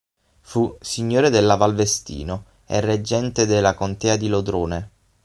Fu "Signore della Valvestino" e reggente della Contea di Lodrone.